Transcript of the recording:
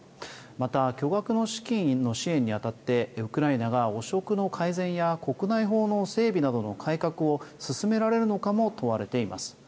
また巨額の資金の支援にあたってウクライナが汚職の改善や国内法の整備などの改革を進められるのかも問われています。